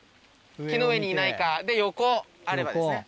木の上にいないかで横あればですね。